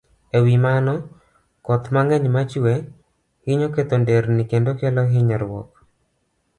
E wi mano, koth mang'eny ma chue, hinyo ketho nderni kendo kelo hinyruok.